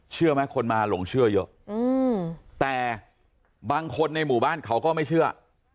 เชื่อไหมคนมาหลงเชื่อเยอะแต่บางคนในหมู่บ้านเขาก็ไม่เชื่อ